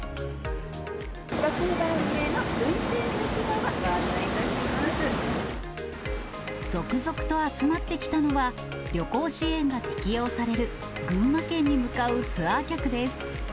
６番目の運転席側でご案内い続々と集まってきたのは、旅行支援が適用される群馬県に向かうツアー客です。